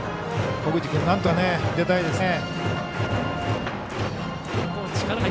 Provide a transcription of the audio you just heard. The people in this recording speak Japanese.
小口君なんとか塁に出たいですね。